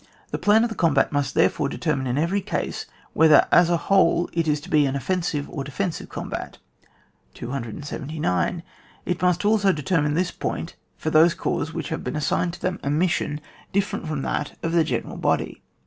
The plan of the combat must therefore determine in every case, whe ther as a whole it is to be an offensive or defensive combat. 279. It must also determine this point for those corps which have assigned to them a mission different from that of the general body.